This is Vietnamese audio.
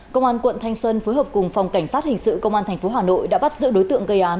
công an quận thanh xuân phối hợp cùng phòng cảnh sát hình sự công an tp hà nội đã bắt giữ đối tượng gây án